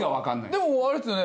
でもあれですよね？